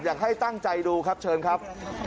อยากให้ตั้งใจดูครับเชิญครับ